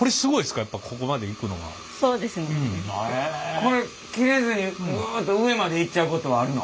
これ切れずにぐっと上までいっちゃうことはあるの？